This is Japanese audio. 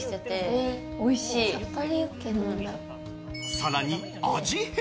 更に味変！